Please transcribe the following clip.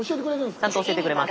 ちゃんと教えてくれます。